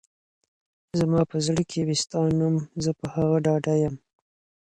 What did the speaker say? زما په زړه کي وي ستا نوم ، زه په هغه ډاډه يم